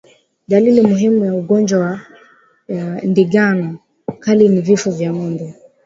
Dalili muhimu ya ugonjwa wa ndigana kali ni vifo vya ngombe